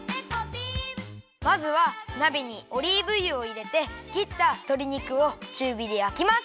まずはなべにオリーブ油をいれてきったとり肉をちゅうびでやきます。